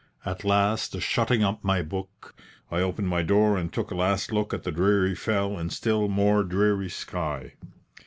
At last, shutting up my book, I opened my door and took a last look at the dreary fell and still more dreary sky.